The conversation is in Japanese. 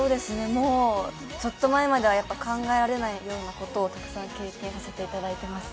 ちょっと前までは考えられないようなことをたくさん経験させていただいていますね。